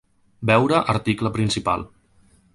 Veure article principal: